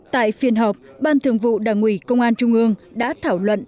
tại phiên họp ban thường vụ đảng ủy công an trung ương đã thảo luận